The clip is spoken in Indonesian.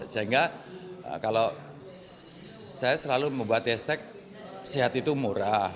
sehingga kalau saya selalu membuat hashtag sehat itu murah